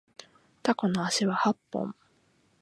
タコの足は八本